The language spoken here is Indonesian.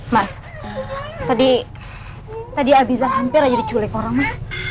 mas tadi tadi abiza hampir aja diculik orang mas